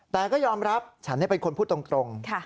แต่ก็ยอมรับฉันเป็นคนพูดตรง